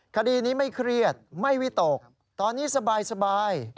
คดีนี้ไม่เครียดไม่วิตกตอนนี้สบาย